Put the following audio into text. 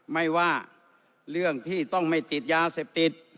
ไม่ว่าเรื่องที่ต้องไม่ติดยาเสพติด